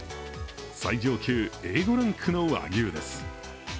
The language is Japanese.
最上級Ａ５ランクの和牛です。